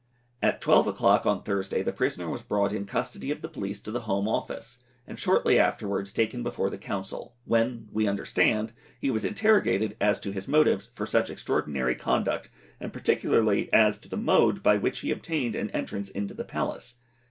At 12 o'clock on Thursday the prisoner was brought in custody of the police to the Home Office, and shortly afterwards taken before the Council, when, we understand, he was interrogated as to his motives for such extraordinary conduct, and particularly as to the mode by which he obtained an entrance into the Palace.